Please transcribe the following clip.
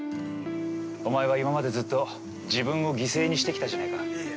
おまえは今までずっと自分を犠牲にしてきたじゃないか。